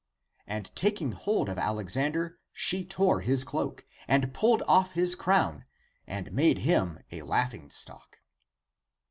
And taking hold of Alexander, she tore his cloak, and pulled off his crown, and made him a laughing stock.